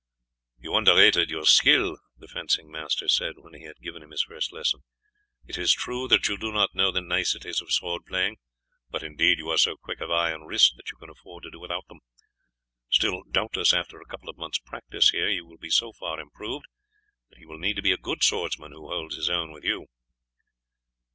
"You underrated your skill," the fencing master said when he had given him his first lesson. "It is true that you do not know the niceties of sword playing, but indeed you are so quick of eye and wrist that you can afford to do without them. Still, doubtless after a couple of months' practice here you will be so far improved that he will need to be a good swordsman who holds his own with you."